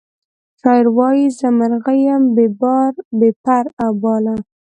شاعر وایی زه مرغه یم بې پر او باله